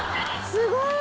すごい。